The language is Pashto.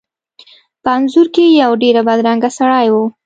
په انځور کې یو ډیر بدرنګه سړی و.